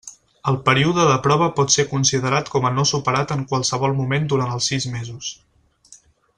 El període de prova pot ser considerat com a no superat en qualsevol moment durant els sis mesos.